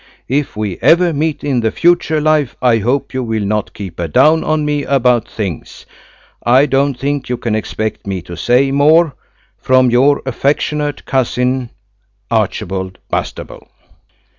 If we ever meet in the future life I hope you will not keep a down on me about things. I don't think you can expect me to say more. From your affectionate cousin, "Archibald Bastable."